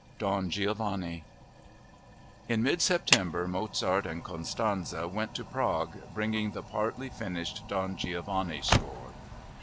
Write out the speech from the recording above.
Don Giovanni In mid September Mozart and Constanze went to Prague, bringing the partly finished Don Giovanni score.